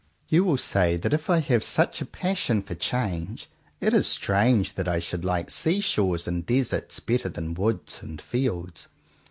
You will say that if I have such a passion for change, it is strange that I should like sea shore and desert better than woods and fields.